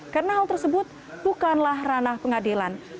karena hal tersebut bukanlah ranah pengadilan